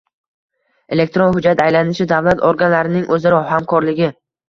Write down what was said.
elektron hujjat aylanishi, davlat organlarining o‘zaro hamkorligi